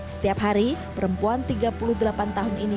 setiap hari perempuan tiga puluh delapan tahun ini